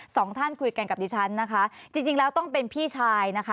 สองท่านคุยกันกับดิฉันนะคะจริงจริงแล้วต้องเป็นพี่ชายนะคะ